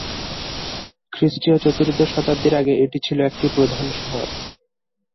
খ্রিস্টীয় চতুর্দশ শতাব্দীর আগে এটি ছিল একটি প্রধান শহর।